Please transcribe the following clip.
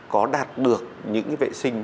có đạt được những vệ sinh